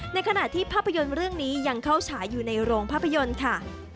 ในขณะที่ภาพยนตร์เรื่องนี้ยังเข้าฉายอยู่ในโรงภาพยนตร์ค่ะ